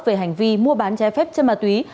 về hành vi mua bán chế phép chất ma túy